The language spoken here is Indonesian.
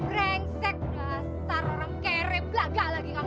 rengsek dasar orang kere belaga lagi kamu